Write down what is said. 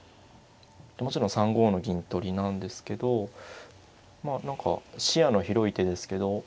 もちろん３五の銀取りなんですけどまあ何か視野の広い手ですけど